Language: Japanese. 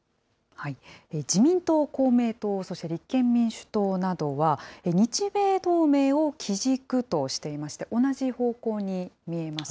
自民党、公明党、そして立憲民主党などは、日米同盟を基軸としていまして、同じ方向に見えます。